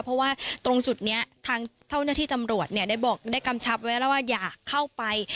เพราะว่าตรงจุดนี้ทางเจ้าหน้าที่ตำรวจได้บอกได้กำชับไว้แล้วว่าอยากเข้าไป